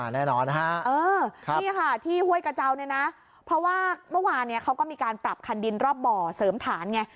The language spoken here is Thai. แน่นอนนะฮะนี่ค่ะที่ห้วยกระเจ้าเนี่ยนะเพราะว่าเมื่อวานเขาก็มีการปรับคันดินรอบบ่อเสริมฐานไง